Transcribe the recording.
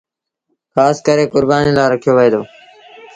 کآس ڪري ڪربآݩيٚ لآ رکيو وهي دو۔